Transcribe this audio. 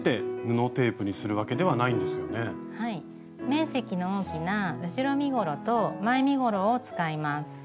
面積の大きな後ろ身ごろと前身ごろを使います。